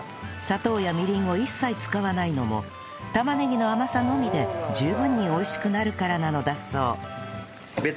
砂糖やみりんを一切使わないのも玉ねぎの甘さのみで十分に美味しくなるからなのだそう